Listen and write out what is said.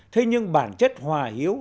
thế nhưng bản chất hòa hiếu